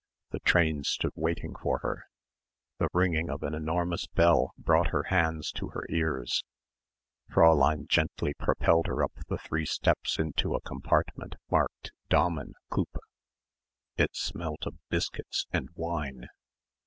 The train stood waiting for her. The ringing of an enormous bell brought her hands to her ears. Fräulein gently propelled her up the three steps into a compartment marked Damen Coupé. It smelt of biscuits and wine.